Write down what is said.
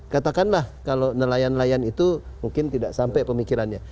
katakanlah kalau nelayan nelayan itu mungkin tidak sampai pemikirannya